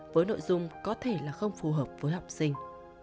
với nội dung có thể là không phù hợp với học sinh